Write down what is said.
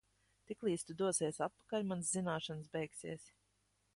Tiklīdz tu dosies atpakaļ, manas zināšanas beigsies.